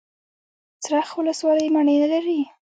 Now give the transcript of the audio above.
څرخ ولسوالۍ مڼې لري؟